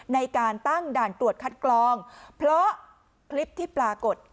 ในการตั้งด่านตรวจคัดกรองเพราะคลิปที่ปรากฏ